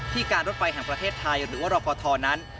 การรถไฟแห่งประเทศไทยหรือว่ารฟทนั้น